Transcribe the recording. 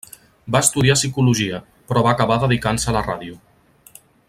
Va estudiar psicologia, però va acabar dedicant-se a la ràdio.